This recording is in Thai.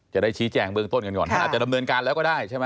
จะได้ชี้แจงเบื้องต้นกันก่อนท่านอาจจะดำเนินการแล้วก็ได้ใช่ไหม